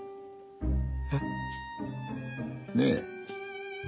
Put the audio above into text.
えっ？ねえ。